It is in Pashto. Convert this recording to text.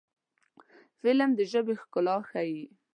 فلم د ژبې ښکلا ښيي